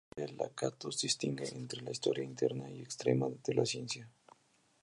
Imre Lakatos distingue entre la "historia" interna" y "externa" de la ciencia.